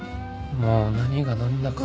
もう何が何だか